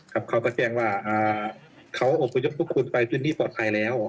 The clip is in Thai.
เขาก็แจ้งว่าเขาอบพยพทุกคนไปพื้นที่ปลอดภัยแล้ว